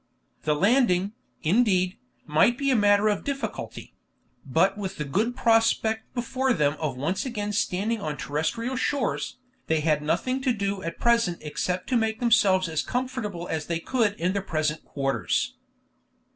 The landing, indeed, might be a matter of difficulty; but with the good prospect before them of once again standing on terrestrial shores, they had nothing to do at present except to make themselves as comfortable as they could in their present quarters.